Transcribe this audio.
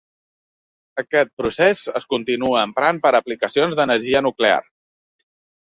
Aquest procés es continua emprant per a aplicacions d'energia nuclear.